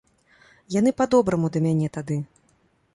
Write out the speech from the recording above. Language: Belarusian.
Яны па-добраму да мяне тады.